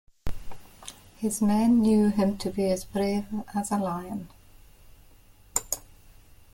His men knew him to be as brave as a lion.